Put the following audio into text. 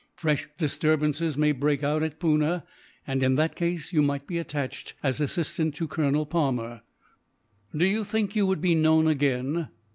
Fresh disturbances may break out at Poona and, in that case, you might be attached as assistant to Colonel Palmer. "Do you think you would be known again?"